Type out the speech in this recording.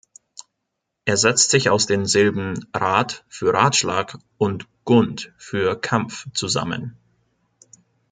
Er setzt sich aus den Silben "rat" für Ratschlag und "gund" für Kampf zusammen.